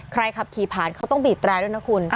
ขับขี่ผ่านเขาต้องบีบแตรด้วยนะคุณ